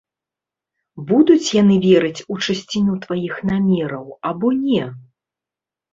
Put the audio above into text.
Будуць яны верыць у чысціню тваіх намераў або не?